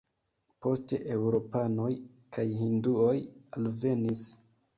Poste eŭropanoj kaj hinduoj alvenis.